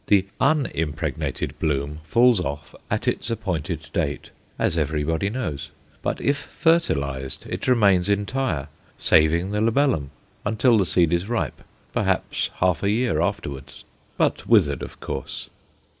The unimpregnated bloom falls off at its appointed date, as everybody knows; but if fertilized it remains entire, saving the labellum, until the seed is ripe, perhaps half a year afterwards but withered, of course.